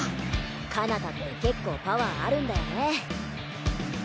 かなたって結構パワーあるんだよね。